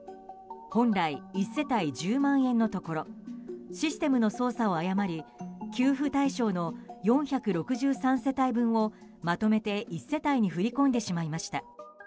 本来１世帯１０万円のところシステムの操作を誤り給付対象の４６３世帯分をまとめて１世帯に振り込んでしまいました。